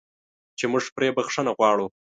چې موږ پرې بخښنه غواړو.